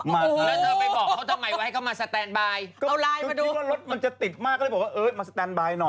มาได้เลยอ๋อโอ้ห์แล้วเธอไปบอกเขาทำไมวะให้เขามาสแตนบาย